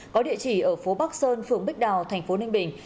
có địa chỉ ở phố bắc sơn phường bích đào tp ninh bình